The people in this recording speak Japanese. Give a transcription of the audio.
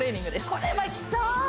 これはきそう！